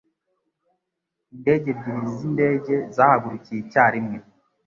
Indege ebyiri zindege zahagurukiye icyarimwe.